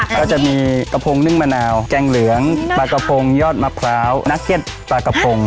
ก็จะมีกระโพงนึ่งมะนาวแกงเหลืองปลากระพงยอดมะพร้าวนักเก็ตปลากระพง